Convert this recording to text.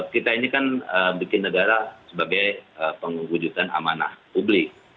kita ini kan bikin negara sebagai pengujudkan amanah publik